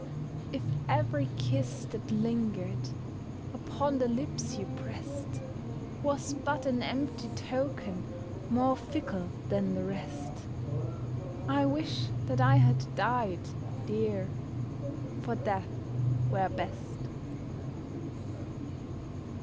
If every kiss that lingered Upon the lips you pressed, Was but an empty token, More fickle than the rest; I wish that I had died, dear, For death were best.